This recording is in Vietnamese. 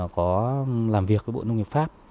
có làm việc với bộ nông nghiệp pháp